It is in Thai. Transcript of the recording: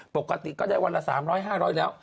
ปกติก็ได้วันละ๓๐๐๕๐๐แล้ว